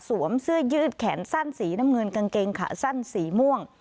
เสื้อยืดแขนสั้นสีน้ำเงินกางเกงขาสั้นสีม่วง